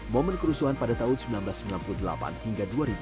momen kerusuhan pada tahun seribu sembilan ratus sembilan puluh delapan hingga dua ribu